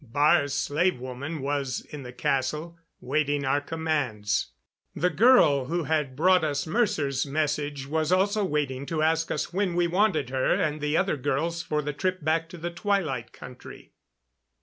Baar's slave woman was in the castle, waiting our commands. The girl who had brought us Mercer's message was also waiting to ask us when we wanted her and the other girls for the trip back to the Twilight Country.